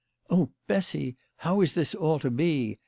" Oh, Bessy, how is this all to be